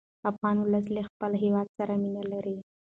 افغان ولس له خپل هېواد سره مینه لري.